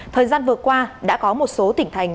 thời gian vừa qua đã có một số tỉnh thành